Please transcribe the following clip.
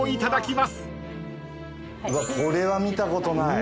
うわこれは見たことない。